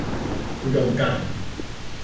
อุดมการณ์